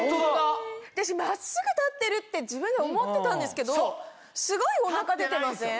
私真っすぐ立ってるって自分で思ってたんですけどすごいお腹出てません？